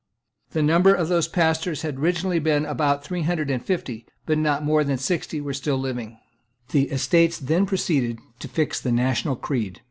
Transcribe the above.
The number of those Pastors had originally been about three hundred and fifty: but not more than sixty were still living, The Estates then proceeded to fix the national creed.